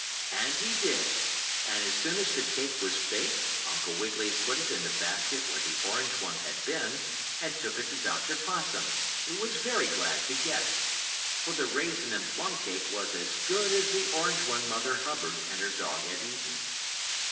And he did, and as soon as the cake was baked Uncle Wiggily put it in the basket where the orange one had been, and took it to Dr. Possum, who was very glad to get it. For the raisin and plum cake was as good as the orange one Mother Hubbard and her dog had eaten.